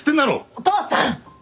お父さん！